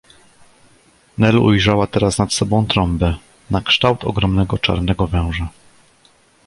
Nel ujrzała teraz nad sobą trąbę, na kształt ogromnego czarnego węża.